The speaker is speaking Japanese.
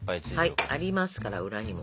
はいありますから裏にも。